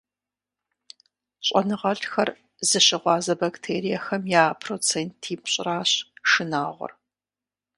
Щӏэныгъэлӏхэр зыщыгъуазэ бактериехэм я процентипщӏыращ шынагъуэр.